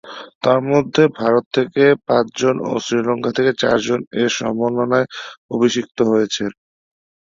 তন্মধ্যে ভারত থেকে পাঁচজন ও শ্রীলঙ্কা থেকে চারজন এ সম্মাননায় অভিষিক্ত হয়েছেন।